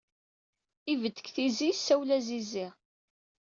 Ibed deg tizi yessawel a zizi.